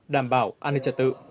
đảm bảo an ninh trật tự